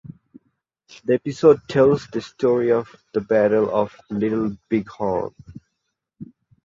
The episode tells the story of the Battle of Little Bighorn.